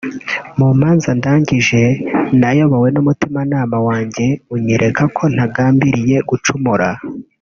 mu manza ndangije nayobowe n’umutimanama wanjye unyereka ko ntagambiriye gucumura